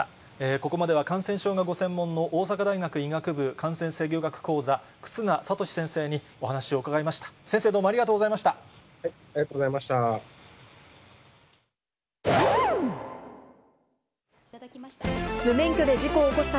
ここまでは感染症がご専門の大阪大学医学部感染制御学講座、忽那賢志先生にお話を伺いました。